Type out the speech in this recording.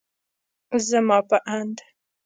زما په اند